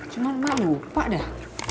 cuman emak lupa dah